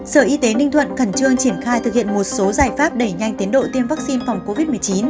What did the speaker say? sở y tế ninh thuận khẩn trương triển khai thực hiện một số giải pháp đẩy nhanh tiến độ tiêm vaccine phòng covid một mươi chín